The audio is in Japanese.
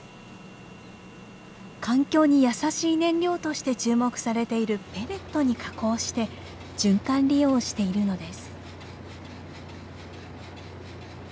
環境に優しい燃料として注目されているペレットに加工して循環利用しているのです。